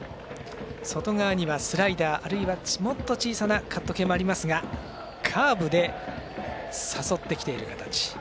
外側にはスライダーあるいはもっと小さなカット系もありますがカーブで誘ってきている形。